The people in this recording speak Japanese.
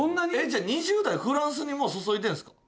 じゃあ２０代フランスに注いでるんですか？